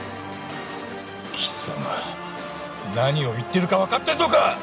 貴様何を言ってるかわかってるのか！